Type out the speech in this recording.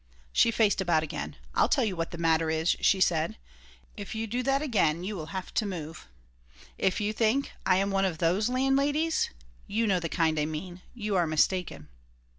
She faced about again. "I'll tell you what the matter is," she said. "If you do that again you will have to move. If you think I am one of those landladies you know the kind I mean you are mistaken."